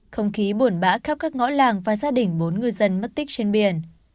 không khí buồn bã khắp các ngõ làng và gia đình bốn ngư dân mất tích trên biển